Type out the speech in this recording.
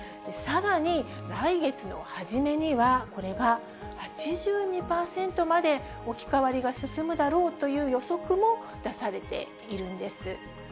さらに来月の初めには、これが８２％まで置き換わりが進むだろうという予測も出されているんです。